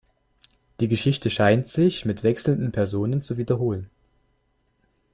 Die Geschichte scheint sich mit wechselnden Personen zu wiederholen.